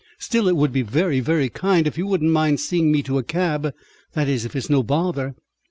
Still it would be very, very kind if you wouldn't mind seeing me to a cab. That is, if it's no bother."